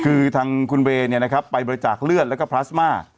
คือทางคุณเวย์ไปบริจาคเลือดแล้วก็พลาสมา